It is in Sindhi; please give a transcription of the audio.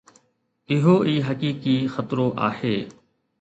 اهو ئي حقيقي خطرو آهي.